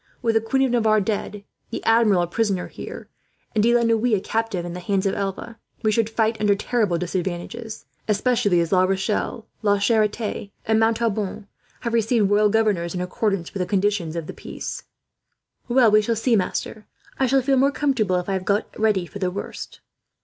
With the Queen of Navarre dead, the Admiral a prisoner here, and De la Noue a captive in the hands of Alva, we should fight under terrible disadvantages; especially as La Rochelle, La Charite, and Montauban have received royal governors, in accordance with the conditions of the peace." "Well, we shall see, master. I shall feel more comfortable if I have got ready for the worst."